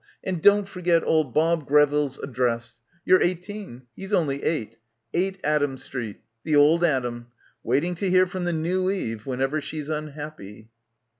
And don't forget old Bob Greville's address. You're eighteen. He's only eight; eight Adam Street. The old Adam. Waiting to hear from the new Eve — whenever she's unhappy."